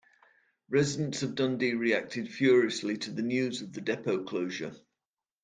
Residents of Dundee reacted furiously to the news of the depot closure.